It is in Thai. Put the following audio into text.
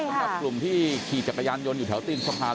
สำหรับกลุ่มที่ขี่จักรยานยนต์อยู่แถวตีนสะพาน